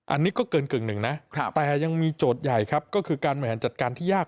อันนี้ก็เกินกึ่งหนึ่งนะแต่ยังมีโจทย์ใหญ่ครับก็คือการบริหารจัดการที่ยาก